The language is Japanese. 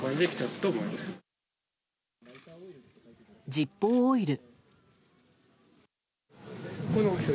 ジッポーオイル。